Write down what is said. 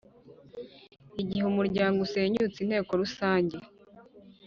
Igihe umuryango usenyutse Inteko Rusange